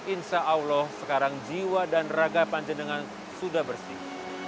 insya allah sekarang jiwa dan raga panjenengan sudah bersih